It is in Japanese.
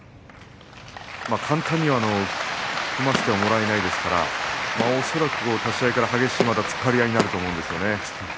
簡単には組ませてもらえないですから恐らく立ち合いは激しい突っ張りになると思います。